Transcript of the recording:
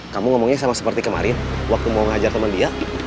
kamu ngomongnya sama seperti kemarin waktu mau ngajar teman dia